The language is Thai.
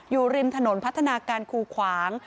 อยู่ริมถนนพัฒนาการคูขวาง